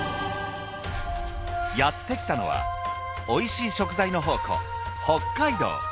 やって来たのはおいしい食材の宝庫北海道。